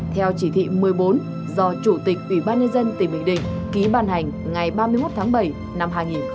theo chỉ thị một mươi bốn do chủ tịch ủy ban nhân dân tỉnh bình định ký ban hành ngày ba mươi một tháng bảy năm hai nghìn một mươi chín